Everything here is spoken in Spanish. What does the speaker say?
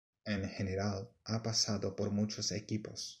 En general, ha pasado por muchos equipos.